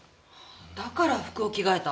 だから服を着替えた？